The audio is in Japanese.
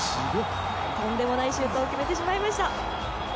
とんでもないシュートを決めてしまいました。